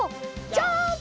ジャンプ！